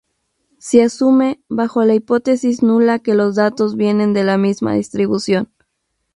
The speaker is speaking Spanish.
Sí asume, bajo la hipótesis nula, que los datos vienen de la misma distribución.